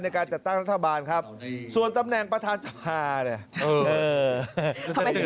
ในการจัดตั้งรัฐบาลครับส่วนตำแหน่งประธานสภาเนี่ย